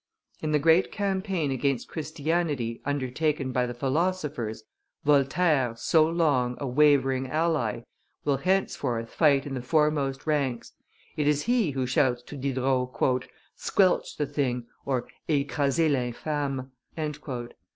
In the great campaign against Christianity undertaken by the philosophers, Voltaire, so long, a wavering ally, will henceforth fight in the foremost ranks; it is he who shouts to Diderot, "Squelch the thing (Ecrasez l'infame)!"